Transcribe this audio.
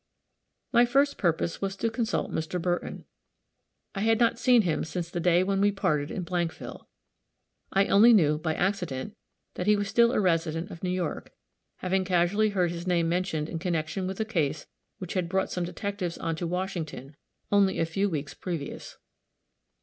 My first purpose was to consult Mr. Burton. I had not seen him since the day when we parted in Blankville; I only knew, by accident, that he was still a resident of New York, having casually heard his name mentioned in connection with a case which had brought some detectives on to Washington only a few weeks previous.